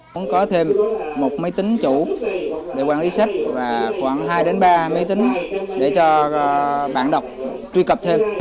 cũng có thêm một máy tính chủ để quản lý sách và khoảng hai ba máy tính để cho bạn đọc truy cập thêm